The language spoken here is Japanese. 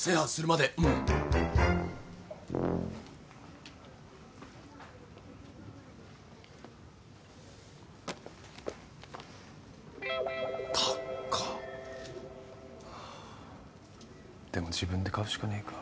まあでも自分で買うしかねえか。